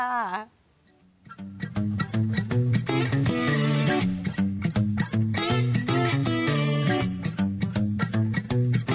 มันเป็นแบบนี้